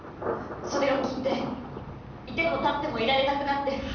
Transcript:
それを聞いていてもたってもいられなくなって。